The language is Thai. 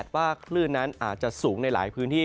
ว่าคลื่นนั้นอาจจะสูงในหลายพื้นที่